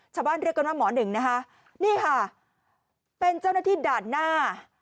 เรียกกันว่าหมอหนึ่งนะคะนี่ค่ะเป็นเจ้าหน้าที่ด่านหน้า